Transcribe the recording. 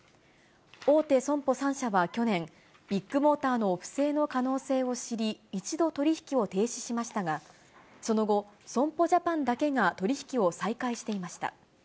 大手損保３社は去年、ビッグモーターの不正の可能性を知り、一度取り引きを停止しましたが、その後、損保ジャパンだけが取り引きを再開していました。